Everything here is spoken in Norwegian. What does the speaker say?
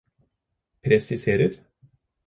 presiserer